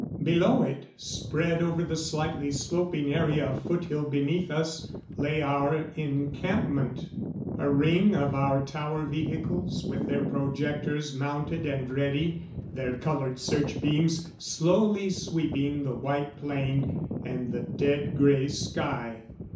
Below it, spread over the slightly sloping area of foothill beneath us, lay our encampment. A ring of our tower vehicles, with their projectors mounted and ready, their colored search beams slowly sweeping the white plain and the dead grey sky.